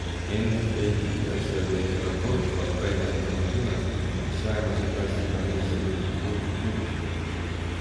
NFLi asjatundjad on korduvalt väljendanud imestust, miks säärase klassiga mees ei leidnud uut klubi.